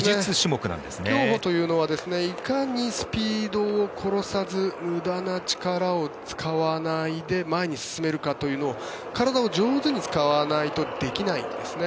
競歩というのはいかにスピードを殺さず無駄な力を使わないで前に進めるかというのを体を上手に使わないとできないんですね。